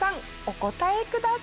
お答えください。